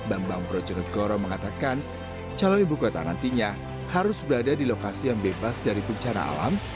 bambang brojonegoro mengatakan calon ibu kota nantinya harus berada di lokasi yang bebas dari bencana alam